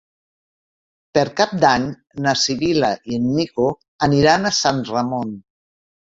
Per Cap d'Any na Sibil·la i en Nico aniran a Sant Ramon.